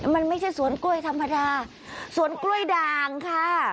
มันไม่ใช่สวนกล้วยธรรมดาสวนกล้วยด่างค่ะ